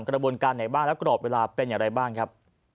กระบวนการไหนบ้างและกรอบเวลาเป็นอย่างไรบ้างครับ